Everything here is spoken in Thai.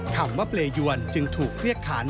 คำว่าเปรยวนจึงถูกเรียกขัน